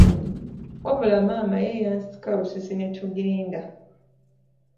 Wabula maama ye yansikabusisi ne tugenda.